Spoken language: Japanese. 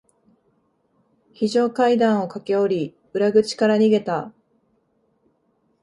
非常階段を駆け下り、裏口から逃げた。